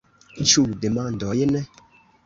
Ĉu demandojn?